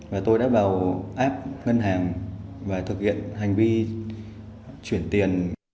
và tôi đã vào app ngân hàng và thực hiện hành vi chuyển tiền